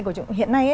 của chúng ta hiện nay